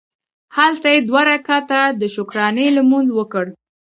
هلته یې دوه رکعته د شکرانې لمونځ وکړ.